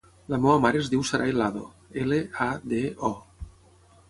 La meva mare es diu Saray Lado: ela, a, de, o.